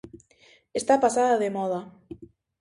Está pasada de moda.